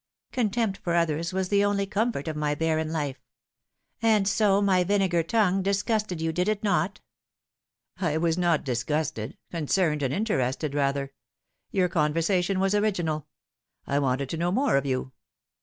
Contempt for others was the only comfort of my barren life. And so my vinegar tongue disgusted you, did it not ?" "I was not disgusted concerned and interested, rather. Your conversation was original. I wanted to know more of you."